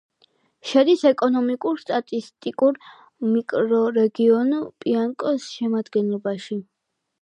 შედის ეკონომიკურ-სტატისტიკურ მიკრორეგიონ პიანკოს შემადგენლობაში.